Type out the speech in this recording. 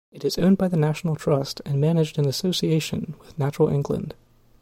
It is owned by the National Trust and managed in association with Natural England.